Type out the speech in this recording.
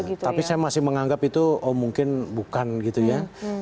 iya tapi saya masih menganggap itu mungkin bukan gitu ya